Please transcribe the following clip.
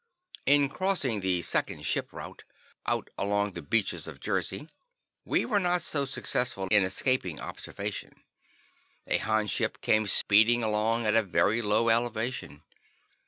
In crossing the second ship route, out along the Beaches of Jersey, we were not so successful in escaping observation. A Han ship came speeding along at a very low elevation.